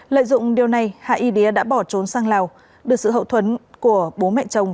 lợi dụng điều này hạ y đía đã bỏ trốn sang lào được sự hậu thuẫn của bố mẹ chồng